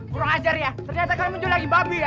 kurang ajar ya ternyata kalian menjual lagi babi ya